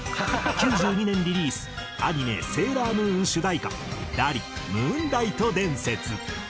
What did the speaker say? ９２年リリースアニメ『セーラームーン』主題歌ＤＡＬＩ『ムーンライト伝説』。